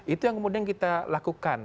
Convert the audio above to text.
itu yang kemudian kita lakukan